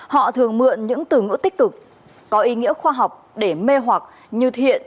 họ thường mượn những từ ngữ tích cực có ý nghĩa khoa học để mê hoặc như thiện